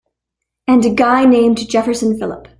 And a guy named Jefferson Phillip.